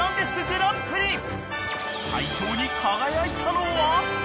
［大賞に輝いたのは］